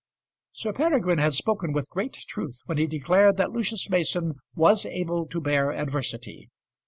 Sir Peregrine had spoken with great truth when he declared that Lucius Mason was able to bear adversity.